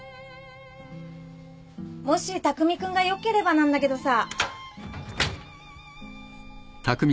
もし巧君がよければなんだけどさ。